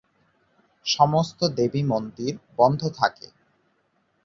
সমস্ত দেবী মন্দির বন্ধ থাকে।